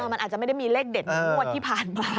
มันอาจจะไม่ได้มีเลขเด็ดงวดที่ผ่านมา